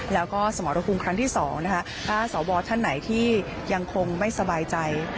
แล้วก็สมรภูมิครั้งที่๒นะคะถ้าสวท่านไหนที่ยังคงไม่สบายใจ